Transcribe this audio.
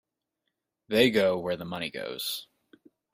They go where the money goes.